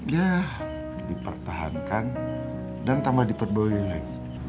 ya dipertahankan dan tambah diperboleh lagi